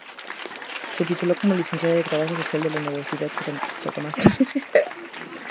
Se tituló como Licenciada en Trabajo Social en la Universidad Santo Tomás.